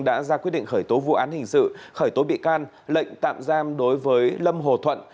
đã ra quyết định khởi tố vụ án hình sự khởi tố bị can lệnh tạm giam đối với lâm hồ thuận